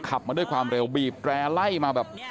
ขับมาด้วยความเร็วบีบแร่ไล่มาแบบ